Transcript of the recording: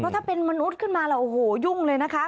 ถึงมนุษย์ขึ้นมาเราโหยุ่งเลยนะคะ